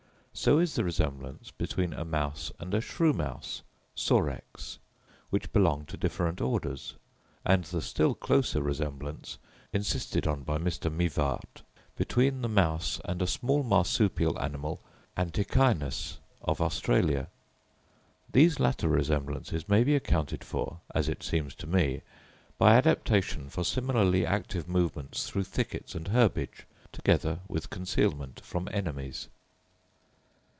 So is the resemblance between a mouse and a shrew mouse (Sorex), which belong to different orders; and the still closer resemblance, insisted on by Mr. Mivart, between the mouse and a small marsupial animal (Antechinus) of Australia. These latter resemblances may be accounted for, as it seems to me, by adaptation for similarly active movements through thickets and herbage, together with concealment from enemies.